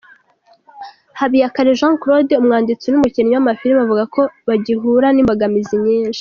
Habiyakare Jean Claude, umwanditsi n’umukinnyi w’amafirime avuga ko bagihura n’imbogamizi nyinshi.